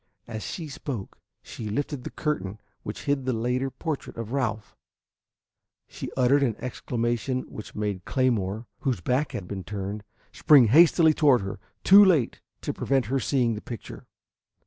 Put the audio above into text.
As she spoke, she lifted the curtain which hid the later portrait of Ralph. She uttered an exclamation which made Claymore, whose back had been turned, spring hastily toward her, too late to prevent her seeing the picture.